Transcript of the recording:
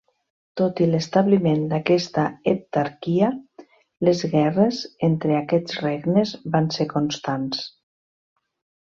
Tot i l'establiment d'aquesta heptarquia, les guerres entre aquests regnes van ser constants.